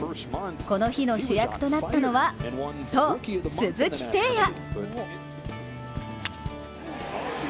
この日の主役となったのはそう、鈴木誠也！